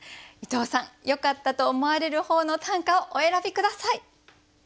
伊藤さんよかったと思われる方の短歌をお選び下さい。